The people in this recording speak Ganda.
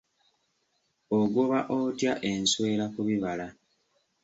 Ogoba otya enswera ku bibala?